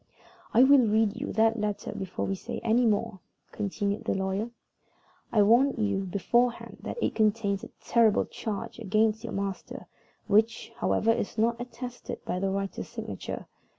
"I will read you that letter before we say any more," continued the lawyer. "I warn you beforehand that it contains a terrible charge against your master, which, however, is not attested by the writer's signature.